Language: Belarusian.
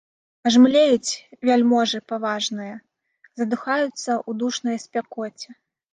Аж млеюць вяльможы паважныя, задыхаюцца ў душнай спякоце.